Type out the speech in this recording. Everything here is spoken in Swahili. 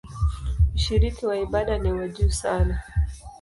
Ushiriki wa ibada ni wa juu sana.